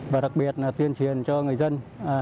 và đặc biệt là tuyên truyền cho người dân